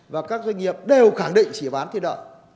và các doanh nghiệp đều khẳng định chỉ bán thiết lợn